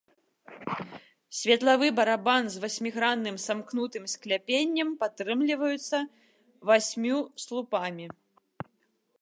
Светлавы барабан з васьмігранным самкнутым скляпеннем падтрымліваецца васьмю слупамі.